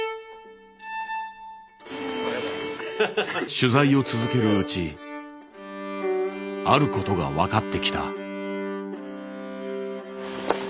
取材を続けるうちあることが分かってきた。